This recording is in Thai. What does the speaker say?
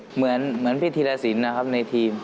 เหมือนพี่ธีรสินนะครับในทีม